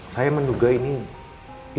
saya menduga ini borbalai rosak ini